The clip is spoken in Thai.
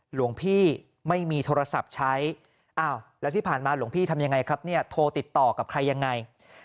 หลวงพี่ไม่มีโทรศัพท์ใช้อ้าวแล้วที่ผ่านมาหลวงพี่ทำยังไงครับเนี่ยโทรติดต่อกับใครยังไง